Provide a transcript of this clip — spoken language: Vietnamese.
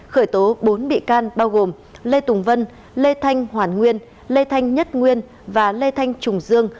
khởi tố bốn bị can bao gồm lê tùng vân lê thanh hoàn nguyên lê thanh nhất nguyên và lê thanh trùng dương